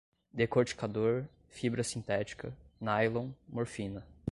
decorticador, fibra sintética, nylon, morfina